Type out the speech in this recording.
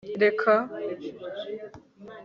reka